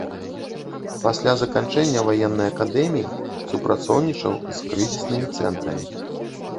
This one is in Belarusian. Пасля заканчэння ваеннай акадэміі супрацоўнічаў з крызіснымі цэнтрамі.